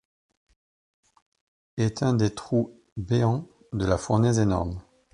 Est un des trous béants de la fournaise énorme !